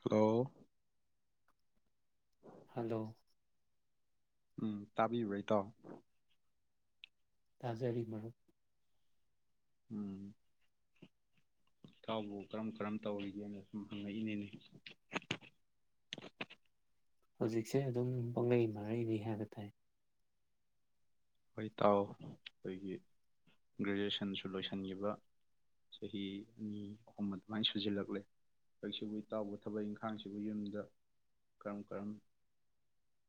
hello hello ꯎꯝ ꯇꯥꯕꯤꯕꯩꯇꯣ ꯇꯥꯖꯔꯤ ꯃꯔꯝ ꯎꯝ ꯏ ꯊꯥꯎꯕꯨ ꯀꯔꯝ ꯀꯔꯝ ꯇꯧꯔꯤꯒꯦꯅ ꯁꯨꯝ ꯍꯪꯉꯛꯏꯅꯤꯅꯦ ꯍꯧꯖꯤꯛꯁꯦ ꯑꯗꯨꯝ ꯄꯥꯅꯩ ꯃꯔꯩꯅꯤ ꯍꯥꯏꯕ ꯇꯥꯏ ꯍꯣꯏ ꯏꯇꯥꯎ ꯑꯩꯈꯣꯏꯒꯤ ꯒ꯭ꯔꯦꯖꯨꯑꯦꯁꯟꯁꯨ ꯂꯣꯏꯁꯤꯟꯈꯤꯕ ꯆꯍꯤ ꯑꯅꯤ ꯑꯍꯨꯝ ꯑꯗꯨꯃꯥꯏꯅ ꯁꯨꯖꯤꯜꯂꯛꯂꯦ ꯍꯧꯖꯤꯛꯁꯤꯕꯨ ꯏꯇꯥꯎꯕ ꯊꯕꯛ ꯏꯪꯈꯥꯡꯁꯤꯕꯨ ꯌꯨꯝꯗ ꯀꯔꯝ ꯀꯔꯝ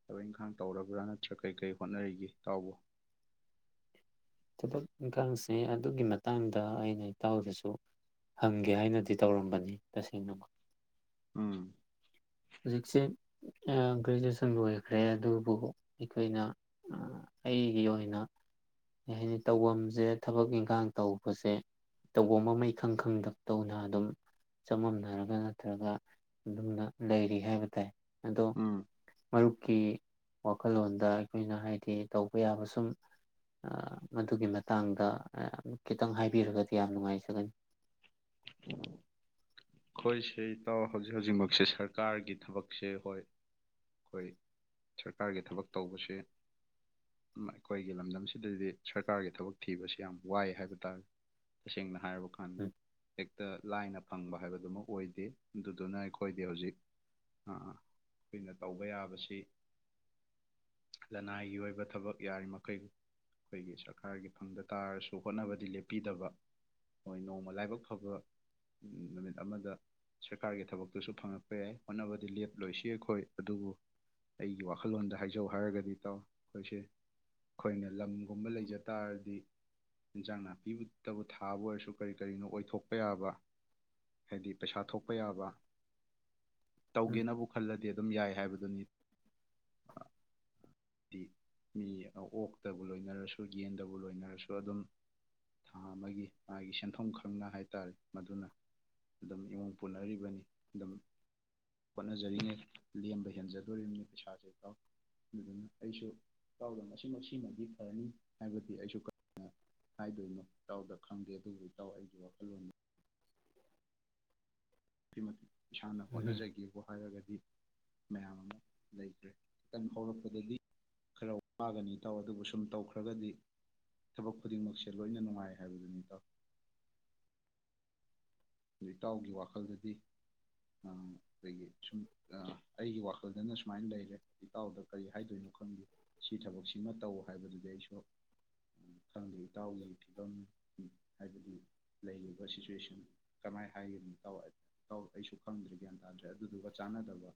ꯊꯕꯛ ꯏꯪꯈꯥꯡ ꯇꯧꯔꯕ꯭ꯔꯥ ꯅꯠꯇ꯭ꯔꯒ ꯀꯔꯤ ꯀꯔꯤ ꯍꯣꯠꯅꯔꯤꯒꯦ ꯏꯇꯥꯎꯕꯨ ꯊꯕꯛ ꯏꯪꯈꯥꯡꯁꯦ ꯑꯗꯨꯒꯤ ꯃꯇꯥꯡꯗ ꯑꯩꯅ ꯏꯇꯥꯎꯗꯁꯨ ꯍꯪꯒꯦ ꯍꯥꯏꯅꯗꯤ ꯇꯧꯔꯝꯕꯅꯤ ꯇꯁꯦꯡꯅ ꯎꯝ ꯍꯧꯖꯤꯛꯁꯦ ꯒ꯭ꯔꯦꯖꯨꯑꯦꯁꯟ ꯂꯣꯏꯈ꯭ꯔꯦ ꯑꯗꯨꯕꯨ ꯑꯩꯈꯣꯏꯅ ꯑꯩꯒꯤ ꯑꯣꯏꯅ ꯀꯩ ꯍꯥꯏꯅꯤ ꯇꯧꯐꯝꯁꯦ ꯊꯕꯛ ꯏꯪꯈꯥꯡ ꯇꯧꯕꯁꯦ ꯇꯧꯐꯝꯕ ꯃꯩꯈꯪ ꯈꯪꯗ ꯇꯧꯅ ꯑꯗꯨꯝ ꯆꯃꯝꯅꯔꯒ ꯅꯠꯇ꯭ꯔꯒ ꯑꯗꯨꯝꯅ ꯂꯩꯔꯤ ꯍꯥꯏꯕ ꯇꯥꯏ ꯑꯗꯣ ꯎꯝ ꯃꯔꯨꯞꯀꯤ ꯋꯥꯈꯜꯂꯣꯟꯗ ꯑꯩꯈꯣꯏꯅ ꯍꯥꯏꯗꯤ ꯇꯧꯕ ꯌꯥꯕ ꯁꯨꯝ ꯃꯗꯨꯒꯤ ꯃꯇꯥꯡꯗ ꯈꯤꯇꯪ ꯍꯥꯏꯕꯤꯔꯒꯗꯤ ꯌꯥꯝ ꯅꯨꯡꯉꯥꯏꯖꯒꯅꯤ [unintelligible] ꯑꯩꯈꯣꯏ ꯁꯤ ꯇ ꯍꯧꯖꯤꯛ ꯍꯧꯖꯤꯛꯃꯛꯁꯦ ꯁꯔꯀꯥꯔꯒꯤ ꯊꯕꯛꯁꯦ ꯍꯣꯏ ꯑꯩꯈꯣꯏ ꯁꯔꯀꯥꯔꯒꯤ ꯊꯕꯛ ꯇꯧꯕꯁꯤ ꯑꯩꯈꯣꯏꯒꯤ ꯂꯝꯗꯝꯁꯤꯗꯗꯤ ꯁꯔꯀꯥꯔꯒꯤ ꯊꯕꯛ ꯊꯤꯕꯁꯤ ꯌꯥꯝ ꯋꯥꯏ ꯍꯥꯏꯕ ꯇꯥꯔꯦ ꯇꯁꯦꯡꯅ ꯍꯥꯏꯔꯕ ꯈꯥꯟ ꯎꯝ ꯇ ꯂꯥꯏꯅ ꯐꯪꯕ ꯍꯥꯏꯕ ꯑꯗꯨꯃꯛ ꯑꯣꯏꯗꯦ ꯑꯗꯨꯗꯨꯅ ꯑꯩꯈꯣꯏꯗꯤ ꯍꯧꯖꯤꯛ ꯑꯩꯈꯣꯏꯅ ꯇꯧꯕ ꯌꯥꯕꯁꯤ ꯂꯅꯥꯏꯒꯤ ꯑꯣꯏꯕ ꯊꯕꯛ ꯌꯥꯔꯤꯃꯩ ꯑꯩꯈꯣꯏꯒꯤ ꯁꯔꯀꯥꯔꯒꯤ ꯐꯪꯗ ꯇꯥꯔꯁꯨ ꯍꯣꯠꯅꯕꯗꯤ ꯂꯦꯞꯄꯤꯗꯕ ꯍꯣꯏ ꯅꯣꯡꯃ ꯂꯥꯏꯕꯛ ꯐꯕ ꯅꯨꯃꯤꯠ ꯑꯃꯗ ꯁꯔꯀꯥꯔꯒꯤ ꯊꯕꯛꯇꯨꯁꯨ ꯐꯪꯉꯛꯄ ꯌꯥꯏ ꯍꯣꯠꯅꯕꯗꯤ ꯂꯦꯞꯂꯣꯏꯁꯤ ꯑꯩꯈꯣꯏ ꯑꯗꯨꯕꯨ ꯑꯩꯒꯤ ꯋꯥꯈꯜꯂꯣꯟꯗ ꯍꯥꯏꯖꯧ ꯍꯥꯏꯔꯒꯗꯤ ꯇꯥꯎ ꯑꯩꯈꯣꯏꯁꯦ ꯑꯩꯈꯣꯏꯅ ꯂꯝꯒꯨꯝꯕ ꯂꯩꯖ ꯇꯥꯔꯗꯤ ꯏꯟꯖꯥꯡ ꯅꯥꯄꯤꯕꯨꯇꯕꯨ ꯊꯥꯕ ꯑꯣꯏꯔꯁꯨ ꯀꯔꯤ ꯀꯔꯤꯅꯣ ꯑꯣꯏꯊꯣꯛꯄ ꯌꯥꯕ ꯍꯥꯏꯗꯤ ꯄꯩꯁꯥ ꯊꯣꯛꯄ ꯌꯥꯕ ꯎꯝ ꯇꯧꯒꯦꯅꯕꯨ ꯈꯜꯂꯗꯤ ꯑꯗꯨꯝ ꯌꯥꯏ ꯍꯥꯏꯕꯗꯨ ꯅꯤ ꯍꯥꯏꯗꯤ ꯃꯤ ꯑꯣꯛꯇꯕꯨ ꯂꯣꯏꯅꯔꯁꯨ ꯌꯦꯟꯗꯕꯨ ꯂꯣꯏꯅꯔꯁꯨ ꯑꯗꯨꯝ ꯊꯥ ꯑꯃꯒꯤ ꯃꯥꯒꯤ ꯁꯦꯟꯐꯝ ꯈꯪꯅ ꯍꯥꯏ ꯇꯥꯔꯦ ꯃꯗꯨꯅ ꯑꯗꯨꯝ ꯏꯃꯨꯡ ꯄꯨꯅꯔꯤꯕꯅꯤ ꯑꯗꯨꯝ ꯍꯣꯠꯅꯖꯔꯤꯅꯦ ꯂꯦꯝꯕ ꯍꯦꯟꯖꯗꯣꯔꯤꯕꯅꯤ ꯄꯩꯁꯥꯁꯦ ꯇꯥꯎ ꯑꯗꯨꯅ ꯑꯩꯁꯨ ꯀꯥꯎꯗ ꯃꯁꯤꯃꯛ ꯁꯤꯃꯗꯤ ꯐꯔꯅꯤ ꯍꯥꯏꯕꯗꯤ ꯑꯩꯁꯨ ꯍꯥꯏꯗꯣꯏꯅꯣ ꯇꯥꯎꯗ ꯈꯪꯗꯦ ꯑꯗꯨꯕꯨ ꯏꯇꯥꯎ ꯑꯩꯒꯤ ꯋꯥꯈꯜꯂꯣꯟ ꯊꯃ ꯏꯁꯥꯅ ꯎꯝ ꯍꯣꯠꯅꯖꯒꯦꯕꯨ ꯍꯥꯏꯔꯒꯗꯤ ꯃꯌꯥꯝ ꯑꯃ ꯂꯩꯈ꯭ꯔꯦ ꯈꯤꯇꯪ ꯍꯧꯔꯛꯄꯗꯗꯤ ꯈꯔ ꯋꯥꯒꯅꯤ ꯇꯥꯎ ꯑꯗꯨꯕꯨ ꯁꯨꯝ ꯇꯧꯈ꯭ꯔꯒꯗꯤ ꯊꯕꯛ ꯈꯨꯗꯤꯡꯃꯛꯁꯦ ꯂꯣꯏꯅ ꯅꯨꯡꯉꯥꯏ ꯍꯥꯏꯕꯗꯨꯅꯤ ꯇꯥꯎ ꯖꯤꯛ ꯏꯇꯥꯎꯒꯤ ꯋꯥꯈꯜꯗꯗꯤ ꯑꯩꯈꯣꯏꯒꯤ ꯁꯨꯝ ꯑꯩꯒꯤ ꯋꯥꯈꯜꯗꯅ ꯁꯨꯃꯥꯏꯅ ꯂꯩꯔꯦ ꯏꯇꯥꯎꯗ ꯀꯔꯤ ꯍꯥꯏꯗꯣꯏꯅꯣ ꯈꯪꯗꯦ ꯁꯤ ꯊꯕꯛꯁꯤꯃ ꯇꯧ ꯍꯥꯏꯕꯗꯨꯗꯤ ꯑꯩꯁꯨ ꯈꯪꯗꯦ ꯏꯇꯥꯎꯒꯤ ꯐꯤꯕꯝ ꯍꯥꯏꯕꯗꯤ ꯂꯩꯔꯤꯕ ꯁꯤꯆꯨꯋꯦꯁꯟ ꯀꯃꯥꯏꯅ ꯍꯥꯏꯒꯅꯤ ꯇ ꯇ ꯑꯩꯁꯨ ꯈꯪꯗ꯭ꯔꯦ ꯒ꯭ꯌꯥꯟ ꯇꯥꯗ꯭ꯔꯦ ꯑꯗꯨꯗꯨꯒ ꯆꯥꯟꯅꯗꯕ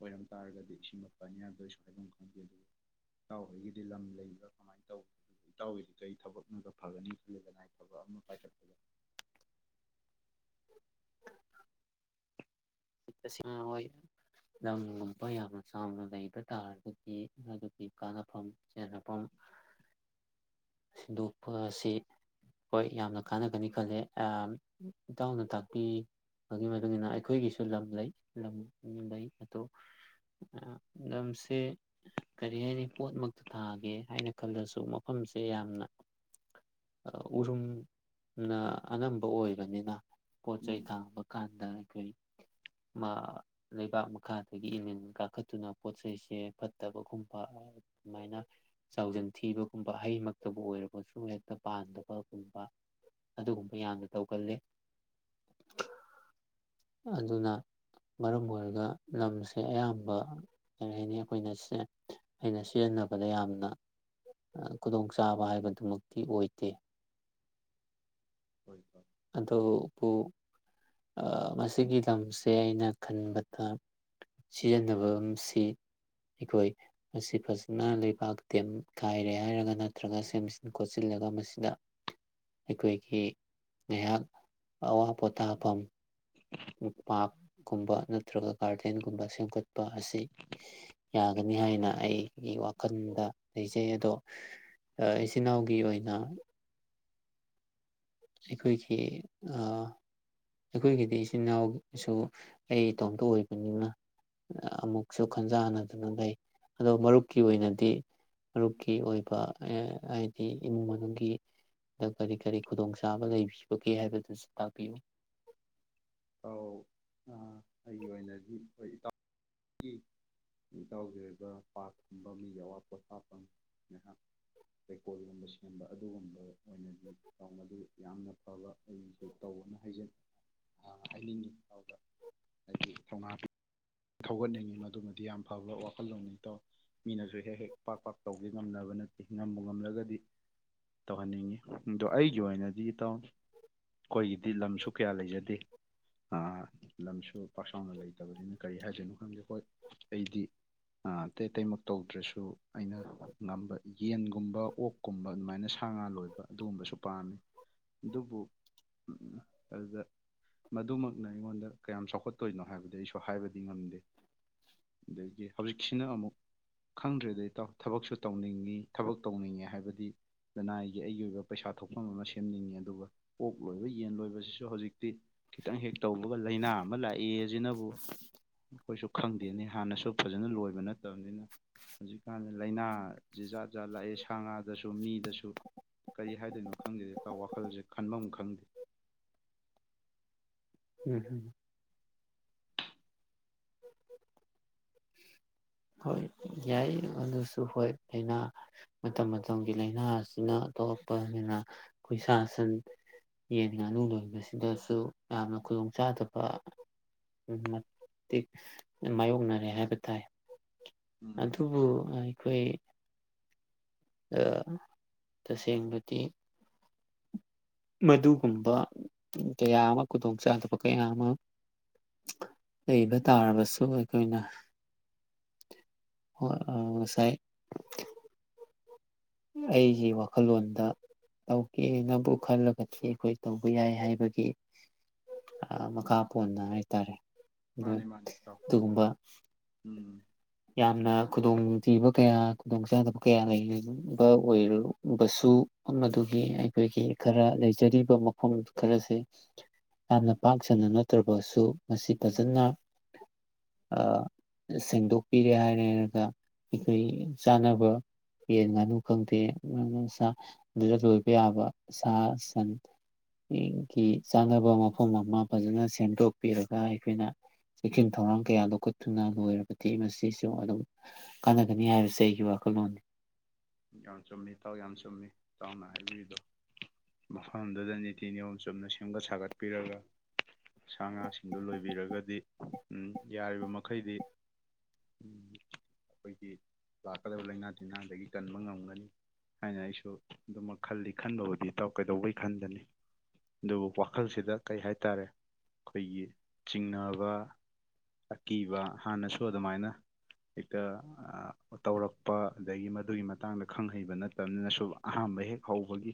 ꯑꯣꯏꯔꯝ ꯇꯥꯔꯒꯗꯤ ꯏꯁꯤꯡ ꯃꯄꯥꯅꯤ ꯌꯥꯗꯣꯏꯁꯨ ꯍꯥꯏꯕꯝ ꯈꯪꯗꯦ ꯑꯗꯨ ꯏꯇꯥꯎꯈꯩꯒꯤꯗꯤ ꯂꯝ ꯂꯩꯕ꯭ꯔꯥ ꯀꯃꯥꯏꯅ ꯇꯧ ꯏꯇꯥꯎꯁꯤ ꯀꯔꯤ ꯊꯕꯛꯅꯒ ꯐꯒꯅꯤ ꯈꯜꯜꯂꯤꯦꯗ ꯍꯥꯏ ꯄꯥꯏꯠ ꯇꯦꯡꯅ ꯍꯣꯏ ꯂꯝꯒꯨꯝꯕ ꯌꯥꯝꯅ ꯆꯥꯎꯅ ꯂꯩꯕ ꯇꯥꯔꯒꯗꯤ ꯃꯗꯨꯒꯤ ꯀꯥꯟꯅꯐꯝ ꯆꯦꯟꯅꯐꯝ ꯁꯤꯟꯗꯣꯛꯄ ꯑꯁꯤ ꯍꯣꯏ ꯌꯥꯝꯅ ꯀꯥꯟꯅꯒꯅꯤ ꯈꯜꯂꯦ ꯏꯇꯥꯎꯅ ꯇꯥꯛꯄꯤꯕꯒꯤ ꯏ ꯃꯇꯨꯡꯏꯟꯅ ꯑꯩꯈꯣꯏꯒꯤ ꯁꯨ ꯂꯝ ꯂꯩ ꯂꯝ ꯂꯩ ꯑꯗꯣ ꯂꯝꯁꯦ ꯀꯔꯤ ꯍꯥꯏꯅꯤ ꯄꯣꯠꯃꯛꯇ ꯊꯥꯒꯦ ꯍꯥꯏꯅ ꯈꯜꯂꯁꯨ ꯃꯐꯝꯁꯦ ꯌꯥꯝꯅ ꯎꯔꯨꯝꯅ ꯑꯅꯝꯕ ꯑꯣꯏꯕꯅꯤꯅ ꯄꯣ ꯆꯩꯩ ꯎꯝ ꯊ ꯃꯀꯥꯟꯗ ꯎꯝ ꯂꯩꯕꯥꯛ ꯃꯈꯥꯗꯒꯤ ꯏꯅꯤꯟ ꯀꯥꯈꯠꯇꯨꯅ ꯄꯣꯠꯁꯦ ꯐꯠꯇꯕꯒꯨꯝꯕ ꯑꯗꯨꯃꯥꯏꯅ ꯆꯥꯎꯖꯟ ꯊꯤꯕꯒꯨꯝꯕ ꯍꯩꯃꯛꯇꯕꯨ ꯑꯣꯏꯔꯕꯁꯨ ꯍꯦꯛꯇ ꯄꯥꯟꯗꯕꯒꯨꯝꯕ ꯑꯗꯨꯒꯨꯝꯕ ꯌꯥꯝꯅ ꯇꯧꯒꯜꯂꯤ ꯑꯗꯨꯅ ꯃꯔꯝ ꯑꯣꯏꯔꯒ ꯂꯝꯁꯦ ꯑꯌꯥꯝꯕ ꯀꯔꯤ ꯍꯥꯏꯅꯤ ꯑꯩꯈꯣꯏꯅꯦ ꯑꯩꯅ ꯁꯤꯖꯤꯟꯅꯕꯗ ꯌꯥꯝꯅ ꯈꯨꯗꯣꯡꯆꯥꯥꯕ ꯍꯥꯏꯕꯗꯨꯃꯛꯇꯤ ꯑꯣꯏꯗꯦ ꯍꯣꯏ ꯐꯣꯏ ꯑꯗꯨꯕꯨ ꯃꯁꯤꯒꯤ ꯂꯝꯁꯦ ꯑꯩꯅ ꯈꯟꯕꯗ ꯁꯤꯖꯤꯟꯅꯕꯁꯤ ꯑꯩꯈꯣꯏ ꯃꯁꯤ ꯐꯖꯅ ꯂꯩꯕꯥꯛ ꯇꯦꯝ ꯀꯥꯏꯔꯦ ꯍꯥꯏꯔꯒ ꯅꯠꯇ꯭ꯔꯒ ꯁꯦꯝꯖꯤꯟ ꯈꯣꯠꯆꯤꯜꯂꯒ ꯃꯁꯤꯗ ꯑꯩꯈꯣꯏꯒꯤ ꯉꯍꯥꯛ ꯑꯋꯥ ꯄꯣꯊꯥꯐꯝ ꯄꯥꯔꯛꯀꯨꯝꯕ ꯅꯠꯇ꯭ꯔꯒ ꯒꯥꯔꯗꯦꯟꯒꯨꯝꯕ ꯁꯦꯝꯒꯠꯄ ꯑꯁꯤ ꯌꯥꯒꯅꯤ ꯍꯥꯏꯅ ꯑꯩꯒꯤ ꯋꯥꯈꯜꯗ ꯂꯩꯖꯩ ꯑꯗꯣ ꯏꯆꯤꯟꯜ ꯏꯅꯥꯎꯒꯤ ꯑꯣꯏꯅ ꯑꯩꯈꯣꯏꯒꯤ ꯑꯩꯈꯣꯏꯒꯤꯗꯤ ꯏꯆꯤꯟꯜ ꯏꯅꯥꯎꯁꯨ ꯑꯩ ꯏꯇꯣꯝꯇ ꯑꯣꯏꯕꯅꯤꯅ ꯑꯃꯨꯛꯁꯨ ꯈꯟꯖ ꯍꯥꯟꯅꯗꯨꯅ ꯂꯩ ꯑꯗꯣ ꯃꯔꯨꯞꯀꯤ ꯑꯣꯏꯅꯗꯤ ꯃꯔꯨꯞꯀꯤ ꯑꯣꯏꯕ ꯍꯥꯏꯗꯤ ꯏꯃꯨꯡ ꯃꯅꯨꯡꯒꯤ ꯀꯔꯤ ꯀꯔꯤ ꯈꯨꯗꯣꯡꯆꯥꯥꯕ ꯂꯩꯕꯤꯕꯒꯦ ꯍꯥꯏꯕꯗꯨꯁꯨ ꯇꯥꯛꯄꯤꯌꯨ ꯑꯧ ꯑꯩꯒꯤ ꯑꯣꯏꯅꯗꯤ ꯍꯣꯏ ꯏꯇꯥꯎ ꯏꯇꯥꯎꯒꯤ ꯑꯣꯏꯕ ꯄꯥꯔꯀꯨꯝꯕ ꯃꯤꯒꯤ ꯑꯋꯥꯠꯄꯣꯊꯥꯐꯝ ꯉꯥꯏꯍꯥꯛ ꯂꯩꯩꯀꯣꯜꯒꯨꯝꯕ ꯁꯦꯝꯕ ꯑꯗꯨꯒꯨꯝꯕ ꯑꯣꯏꯅꯗꯤ ꯃꯗꯨ ꯌꯥꯝꯅ ꯐꯕ ꯑꯩꯅꯁꯨ ꯇꯧꯕꯅ ꯍꯥꯏꯖꯅꯤꯡ ꯍꯥꯏꯅꯤꯡꯉꯤꯥꯎꯗ ꯑꯩꯒꯤ ꯊꯧꯅꯥ ꯊꯧꯒꯠꯅꯤꯡꯉꯤ ꯃꯗꯨꯃꯗꯤ ꯌꯥꯝ ꯐꯕ ꯋꯥꯈꯜꯂꯣꯟꯅꯤ ꯇꯧ ꯃꯤꯅꯁꯨ ꯍꯦꯛ ꯍꯦꯛ ꯄꯥꯛ ꯄꯥꯛ ꯇꯧꯗꯤ ꯉꯝꯅꯕ ꯅ ꯅꯝꯕ ꯉꯝꯂꯒꯗꯤ ꯇꯧꯍꯟꯅꯤꯡꯉꯤ ꯑꯗꯣ ꯑꯩꯒꯤ ꯑꯣꯏꯅꯗꯤ ꯇꯧ ꯑꯩꯈꯣꯏꯒꯤꯗꯤ ꯂꯝꯁꯨ ꯀꯌꯥ ꯂꯩꯖꯗꯦ ꯂꯝꯁꯨ ꯄꯥꯛꯁꯥꯎꯅ ꯂꯩꯇꯕꯅꯤꯅ ꯀꯔꯤ ꯍꯥꯏꯗꯣꯏꯅꯣ ꯈꯪꯗꯦ ꯍꯣꯏ ꯑꯩꯗꯤ ꯑꯇꯩ ꯑꯇꯩꯃꯛ ꯇꯧꯗ꯭ꯔꯁꯨ ꯑꯩꯅ ꯉꯝꯕ ꯌꯦꯟꯒꯨꯝꯕ ꯑꯣꯛꯀꯨꯝꯕ ꯑꯗꯨꯃꯥꯏꯅ ꯁꯥ ꯉꯥ ꯂꯣꯏꯕ ꯑꯗꯨꯒꯨꯝꯕꯁꯨ ꯄꯥꯝꯃꯤ ꯑꯗꯨꯕꯨ ꯑꯗꯨꯗ ꯃꯗꯨꯃꯛꯅ ꯑꯩꯉꯣꯟꯗ ꯀꯌꯥꯝ ꯆꯥꯎꯈꯠꯇꯣꯏꯅꯣ ꯍꯥꯏꯕꯗꯤ ꯑꯩꯁꯨ ꯍꯥꯏꯕꯗ ꯗꯤ ꯉꯝꯗꯦ ꯑꯗꯒꯤ ꯍꯧꯖꯤꯛꯁꯤꯅ ꯑꯃꯨꯛ ꯈꯪꯗ꯭ꯔꯦꯗꯩ ꯇ ꯊꯕꯛꯁꯨ ꯇꯧꯅꯤꯡꯉꯤ ꯊꯕꯛ ꯇꯧꯅꯤꯡꯉꯦ ꯍꯥꯏꯕꯗꯤ ꯂꯅꯥꯏꯒꯤ ꯑꯩꯒꯤ ꯑꯣꯏꯕ ꯄꯩꯁꯥ ꯊꯣꯛꯐꯝ ꯑꯃ ꯁꯦꯝꯅꯤꯡꯉꯤ ꯑꯗꯨꯒ ꯑꯣꯛ ꯂꯣꯏꯕ ꯌꯦꯟ ꯂꯣꯏꯕꯁꯤꯁꯨ ꯍꯧꯖꯤꯛ ꯈꯤꯇꯪ ꯍꯦꯛ ꯇꯧꯕꯒ ꯂꯥꯏꯅꯥ ꯑꯃ ꯂꯥꯛꯏ ꯑꯁꯤꯅꯕꯨ ꯑꯩꯈꯣꯏꯁꯨ ꯈꯪꯗꯦꯅꯤ ꯍꯥꯟꯅꯁꯨ ꯐꯖꯅ ꯂꯣꯏꯕ ꯅꯠꯇꯕꯅꯤꯅ ꯍꯧꯖꯤꯛꯀꯥꯟꯗ ꯂꯥꯏꯅꯥ ꯖꯤ ꯖꯥꯠ ꯖꯥꯠ ꯂꯥꯛꯑꯦ ꯁꯥ ꯉꯥꯗꯁꯨ ꯃꯤꯗꯁꯨ ꯀꯔꯤ ꯍꯥꯏꯗꯣꯏꯅꯣ ꯈꯪꯗꯦꯗ ꯇꯥꯎ ꯋꯥꯈꯜꯁꯦ ꯈꯟꯐꯝ ꯈꯪꯗꯦ ꯎꯝ ꯍꯝ ꯍꯣꯏ ꯌꯥꯏ ꯑꯗꯨꯁꯨ ꯍꯣꯏ ꯂꯥꯏꯅꯥ ꯃꯇꯝ ꯃꯇꯝꯒꯤ ꯂꯥꯏꯅꯥ ꯑꯁꯤꯅ ꯊꯣꯛꯣꯂꯛꯄꯅꯤꯅ ꯑꯩꯈꯣꯏ ꯁꯥ ꯁꯟ ꯌꯦꯟ ꯉꯥꯅꯨ ꯂꯣꯏꯕꯁꯤꯗꯁꯨ ꯌꯥꯝꯅ ꯈꯨꯗꯣꯡ ꯆꯥꯗꯕ ꯃꯇꯤꯛ ꯃꯥꯌꯣꯛꯅꯔꯦ ꯍꯥꯏꯕ ꯇꯥꯏ ꯎꯝ ꯑꯗꯨꯕꯨ ꯑꯩꯈꯣꯏ ꯇꯁꯦꯡꯕꯗꯤ ꯃꯗꯨꯒꯨꯝꯕ ꯀꯌꯥ ꯑꯃ ꯈꯨꯗꯣꯡ ꯆꯥꯗꯕ ꯀꯌꯥ ꯑꯃ ꯂꯩꯕ ꯇꯥꯔꯕꯁꯨ ꯑꯩꯈꯣꯏꯅ ꯍ ꯉꯁꯥꯏ ꯑꯩꯒꯤ ꯋꯥꯈꯜꯂꯣꯟꯗ ꯇꯧꯒꯦꯅꯕꯨ ꯈꯜꯂꯒꯗꯤ ꯑꯩꯈꯣꯏ ꯇꯧꯕ ꯌꯥꯏ ꯍꯥꯏꯕꯒꯤ ꯃꯈꯥ ꯄꯣꯟꯅ ꯍꯥꯏꯇꯥꯔꯦ ꯎ ꯃꯥꯅꯦ ꯃꯥꯅꯦ ꯏꯇꯥꯎ ꯑꯗꯨꯒꯨꯝꯕ ꯎꯝ ꯌꯥꯝꯅ ꯈꯨꯗꯣꯡ ꯅꯨꯡꯊꯤꯕ ꯀꯌꯥ ꯈꯨꯗꯣꯡꯆꯥꯥꯗꯕ ꯀꯌꯥ ꯂꯩꯕ ꯑꯣꯏꯔꯔꯕꯁꯨ ꯃꯐꯝ ꯑꯗꯨꯒꯤ ꯑꯩꯈꯣꯏꯒꯤ ꯈꯔ ꯂꯩꯖꯔꯤꯕ ꯃꯐꯝ ꯈꯔꯁꯦ ꯌꯥꯝꯅ ꯄꯥꯛ ꯁꯟꯅ ꯅꯠꯇ꯭ꯔꯕꯁꯨ ꯃꯁꯤ ꯐꯖꯅ ꯁꯦꯡꯗꯣꯛ ꯄꯤꯔꯦ ꯍꯥꯏꯔꯦꯔꯒ ꯑꯩꯈꯣꯏ ꯆꯥꯅꯕ ꯌꯦꯟ ꯉꯥꯅꯨ ꯈꯪꯗꯦ ꯁꯥ ꯑꯗꯨꯗ ꯂꯣꯏꯕ ꯌꯥꯕ ꯁꯥ ꯁꯟꯒꯤ ꯆꯥꯅꯕ ꯃꯐꯝ ꯑꯃ ꯐꯖꯅ ꯁꯦꯝꯗꯣꯛꯄꯤꯔꯒ ꯑꯩꯈꯣꯏꯅ ꯆꯦꯛꯁꯤꯟ ꯊꯧꯔꯥꯡ ꯀꯌꯥ ꯂꯧꯈꯠꯇꯨꯅ ꯂꯣꯏꯔꯕꯗꯤ ꯃꯁꯤ ꯁꯤꯁꯨ ꯑꯗꯨꯝ ꯀꯥꯟꯅꯒꯅꯤ ꯍꯥꯏꯕꯁꯦ ꯑꯩꯒꯤ ꯋꯥꯈꯜꯂꯣꯟꯅꯤ ꯌꯥꯝ ꯆꯨꯝꯃꯤ ꯊꯥꯎ ꯌꯥꯝ ꯆꯨꯝꯃꯤ ꯆꯥꯎꯅ ꯍꯥꯏꯕꯤꯔꯤꯗꯣ ꯃꯐꯝꯗꯨꯗ ꯅꯤꯇꯤ ꯅꯤꯌꯣꯝ ꯆꯨꯝꯅ ꯁꯦꯝꯒꯠ ꯁꯥꯒꯠꯄꯤꯔꯒ ꯁꯥ ꯉꯥꯁꯤꯡꯗꯨ ꯂꯣꯏꯕꯤꯔꯒꯗꯤ ꯎꯝ ꯌꯥꯔꯤꯕ ꯃꯈꯩꯗꯤ ꯑꯩꯈꯣꯏꯒꯤ ꯂꯥꯛꯀꯗꯕ ꯂꯩꯅꯥ ꯇꯤꯟꯅꯥꯗꯒꯤ ꯀꯟꯕ ꯉꯝꯒꯅꯤ ꯍꯥꯏꯅ ꯑꯩꯁꯨ ꯑꯗꯨꯝꯃꯛ ꯈꯜꯂꯤ ꯈꯟꯕꯕꯨꯗꯤ ꯀꯩꯗꯧꯕꯩ ꯈꯟꯗꯅꯤ ꯑꯗꯨꯕꯨ ꯋꯥꯈꯜꯁꯤꯗ ꯀꯩ ꯍꯥꯏꯇꯥꯔꯦ ꯑꯩꯈꯣꯏꯒꯤ ꯆꯤꯡꯅꯕ ꯑꯀꯤꯕ ꯍꯥꯟꯅꯁꯨ ꯑꯗꯨꯃꯥꯏꯅ ꯍꯦꯛꯇ ꯇꯧꯔꯛꯄ ꯑꯗꯒꯤ ꯑꯗꯨꯒꯤ ꯃꯇꯥꯡꯗ ꯈꯪꯍꯩꯕ ꯅꯠꯇꯕꯅꯤꯅ ꯁꯨꯝ ꯑꯍꯥꯟꯕ ꯍꯦꯛ ꯍꯧꯕꯒꯤ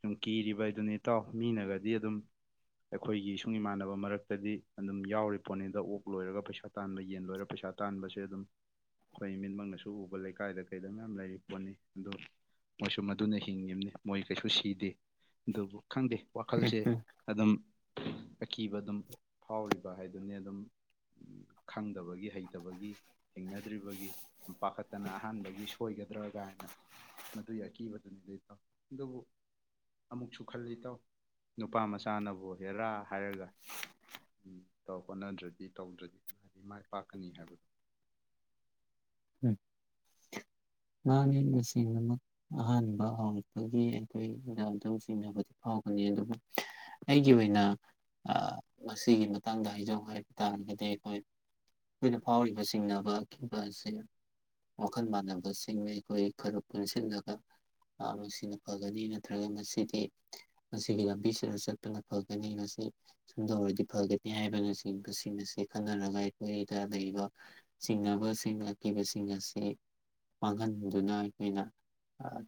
ꯁꯨꯝ ꯀꯤꯔꯤꯕ ꯍꯥꯏꯗꯨꯅꯤ ꯏꯇꯥꯎ ꯃꯤꯅꯒꯗꯤ ꯑꯗꯨꯝ ꯑꯩꯈꯣꯏꯒꯤ ꯁꯨꯡ ꯏꯃꯥꯟꯅꯕ ꯃꯔꯛꯇꯗꯤ ꯑꯗꯨꯝ ꯌꯥꯎꯔꯤ ꯄꯣꯠꯅꯤꯗ ꯑꯣꯛ ꯂꯣꯏꯔꯒ ꯄꯩꯁꯥ ꯇꯥꯟꯕ ꯌꯦꯟ ꯂꯣꯏꯔ ꯄꯩꯁꯥ ꯇꯥꯟꯕꯁꯦ ꯑꯗꯨꯝ ꯑꯩꯈꯣꯏ ꯃꯤꯠꯃꯛꯅꯁꯨ ꯎꯕ ꯂꯩꯀꯥꯏꯗ ꯀꯩ ꯑꯗꯨ ꯃꯌꯥꯝ ꯂꯩꯔꯤ ꯄꯣꯠꯅꯤ ꯑꯗꯣ ꯃꯣꯏꯁꯨ ꯃꯗꯨꯅ ꯍꯤꯡꯉꯤꯕꯅꯤ ꯃꯣꯏ ꯀꯩꯁꯨ ꯁꯤꯗꯦ ꯑꯗꯨꯕꯨ ꯈꯪꯗꯦ ꯋꯥꯈꯜꯁꯦ ꯑꯗꯨꯝ ꯑꯀꯤꯕ ꯑꯗꯨꯝ ꯐꯥꯎꯔꯤꯕ ꯍꯥꯏꯗꯨꯅꯤ ꯑꯗꯨꯝ ꯈꯪꯗꯕꯒꯤ ꯍꯩꯇꯕꯒꯤ ꯍꯤꯡꯅꯗ꯭ꯔꯤꯕꯒꯤ ꯁꯨꯝ ꯄꯥꯈꯠꯇꯅ ꯑꯍꯥꯟꯕꯒꯤ ꯁꯣꯏꯒꯗ꯭ꯔꯥ ꯀꯥꯏꯅ ꯃꯗꯨꯒꯤ ꯑꯀꯤꯕꯗꯨꯅꯤ ꯑꯗꯨꯇꯧ ꯑꯗꯨꯕꯨ ꯑꯃꯨꯛꯁꯨ ꯈꯜꯂꯤ ꯇꯧ ꯅꯨꯄꯥ ꯃꯆꯥꯅꯕꯨ ꯍꯦꯔꯥ ꯍꯥꯏꯔꯒ ꯇꯧ ꯍꯣꯠꯅꯗ꯭ꯔꯗꯤ ꯇꯧꯗ꯭ꯔꯗꯤ ꯀꯅꯥ ꯍꯥꯏꯗꯤ ꯃꯥꯏ ꯄꯥꯛꯀꯅꯤ ꯍꯥꯏꯕꯗꯣ ꯉꯍꯥꯅꯦ ꯇꯁꯦꯡꯅꯃꯛ ꯑꯍꯥꯟꯕ ꯍꯧꯔꯛꯄꯒꯤ ꯑꯩꯈꯣꯏꯗ ꯑꯗꯨ ꯆꯤꯡꯅꯕꯗꯤ ꯐꯥꯎꯒꯅꯤ ꯑꯗꯨꯕꯨ ꯑꯩꯒꯤ ꯑꯣꯏꯅ ꯃꯁꯤꯒꯤ ꯃꯇꯥꯡꯗ ꯍꯥꯏꯖꯧ ꯍꯥꯏꯕ ꯇꯥꯔꯒꯗꯤ ꯑꯩꯈꯣꯏ ꯑꯩꯈꯣꯏꯅ ꯐꯥꯎꯔꯤꯕ ꯆꯤꯡꯅꯕꯕ ꯑꯁꯤ ꯋꯥꯈꯜ ꯃꯥꯟꯅꯕꯁ ꯤꯡꯕ ꯑꯩꯈꯣꯏ ꯈꯔ ꯄꯨꯟꯁꯤꯜꯂꯒ ꯃꯁꯤ ꯃꯁꯤꯅ ꯐꯒꯅꯤ ꯅꯠꯇ꯭ꯔꯒ ꯃꯁꯤꯗꯤ ꯃꯁꯤꯒꯤ ꯂꯝꯕꯤꯁꯤꯗ ꯆꯠꯄꯅ ꯐꯒꯅꯤ ꯃꯁꯤ ꯁꯨꯝꯗꯧꯔꯗꯤ ꯐꯒꯅꯤ ꯍꯥꯏꯕꯅ ꯆꯤꯡꯕꯁꯤꯡ ꯑꯁꯤ ꯈꯟꯅꯔꯒ ꯑꯩꯈꯣꯏꯗ ꯂꯩꯔꯤꯕ ꯆꯤꯡꯅꯕꯁꯤꯡ ꯑꯀꯤꯕꯁꯤꯡ ꯑꯁꯤ ꯃꯥꯡꯍꯟꯗꯨꯅ ꯑꯩꯈꯣꯏꯅ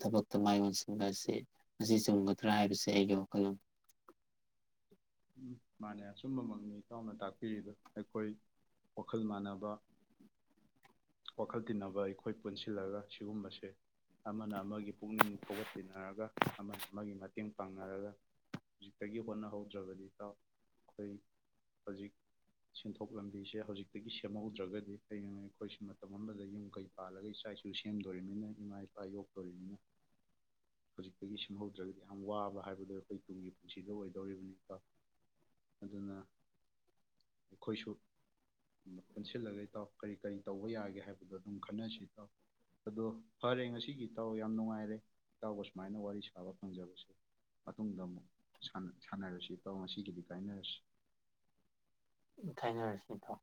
ꯊꯕꯛꯇ ꯃꯥꯏ ꯑꯣꯟꯁꯤꯟꯕ ꯑꯁꯤ ꯃꯁꯤ ꯆꯨꯝꯒꯗ꯭ꯔꯥ ꯍꯥꯏꯕꯁꯦ ꯑꯩꯒꯤ ꯋꯥꯈꯜꯂꯣꯟ ꯎꯝ ꯃꯥꯅꯦ ꯑꯆꯨꯝꯕꯃꯛꯅꯤ ꯏꯇꯥꯎꯅ ꯇꯥꯛꯄꯤꯔꯤꯗ ꯑꯩꯈꯣꯏ ꯋꯥꯈꯜ ꯃꯥꯟꯅꯕ ꯋꯥꯈꯜ ꯇꯤꯟꯅꯕ ꯑꯩꯈꯣꯏ ꯄꯨꯟꯁꯤꯜꯂꯒ ꯁꯤꯒꯨꯝꯕꯁꯦ ꯑꯃꯅ ꯑꯃꯒꯤ ꯒꯤ ꯄꯨꯛꯅꯤꯡ ꯊꯧꯒꯠꯄꯤꯟꯅꯔꯒ ꯑꯃꯅ ꯑꯃꯒꯤ ꯃꯇꯦꯡ ꯄꯥꯡꯉꯔꯒ ꯍꯧꯖꯤꯛꯇꯒꯤ ꯍꯣꯠꯅꯍꯧ ꯍꯧꯗ꯭ꯔꯕꯗꯤ ꯀꯥꯎ ꯑꯩꯈꯣꯏ ꯍꯧꯖꯤꯛ ꯁꯦꯟꯊꯣꯛ ꯂꯝꯕꯤꯁꯦ ꯍꯧꯖꯤꯛꯇꯒꯤ ꯁꯦꯝꯍꯧꯗ꯭ꯔꯒꯗꯤ ꯀꯩꯒꯤꯅꯣ ꯑꯩꯈꯣꯏꯁꯨ ꯃꯇꯝ ꯑꯃꯗ ꯌꯨꯝ ꯀꯩ ꯄꯥꯜꯂꯒ ꯏꯆꯥ ꯏꯁꯨ ꯁꯦꯝꯗꯣꯔꯤꯕꯅꯤꯅ ꯏꯃꯥ ꯏꯄꯥ ꯌꯣꯛꯇꯣꯔꯤꯕꯅꯤꯅ ꯍꯧꯖꯤꯛꯇꯒꯤ ꯁꯦꯝꯍꯧꯗ꯭ꯔꯒꯗꯤ ꯌꯥꯝ ꯋꯥꯕ ꯍꯥꯏꯕꯗꯣ ꯑꯩꯈꯣꯏ ꯇꯨꯡꯒꯤ ꯄꯨꯟꯁꯤꯗꯣ ꯑꯣꯏꯗꯧꯔꯤꯕꯅꯤ ꯑꯗꯨꯅ ꯑꯩꯈꯣꯏꯁꯨ ꯄꯨꯟꯁꯤꯜꯂꯒ ꯏꯇꯥꯎ ꯀꯔꯤ ꯀꯔꯤ ꯇꯧꯕ ꯌꯥꯒꯦ ꯍꯥꯏꯕꯗꯣ ꯑꯗꯨꯝ ꯈꯟꯅꯁꯤ ꯇꯥꯎ ꯑꯗꯣ ꯐꯔꯦ ꯉꯁꯤꯒꯤ ꯏꯇꯥꯎ ꯌꯥꯝ ꯅꯨꯡꯉꯥꯏꯔꯦ ꯏꯇꯥꯎꯒ ꯁꯨꯃꯥꯏꯅ ꯋꯥꯔꯤ ꯁꯥꯕ ꯐꯪꯖꯕꯁꯦ ꯃꯇꯨꯡꯗ ꯑꯃꯨꯛ ꯁꯥꯟꯅꯔꯁꯤ ꯇꯃꯁꯤ ꯀꯗꯤ ꯀꯥꯏꯅꯁꯤ ꯊꯥꯏꯅꯔ ꯁꯤ ꯊꯣ